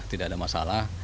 tidak ada masalah